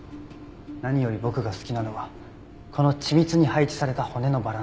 何より僕が好きなのはこの緻密に配置された骨のバランス。